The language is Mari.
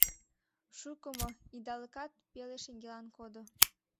Шуко мо — идалыкат пеле шеҥгелан кодо.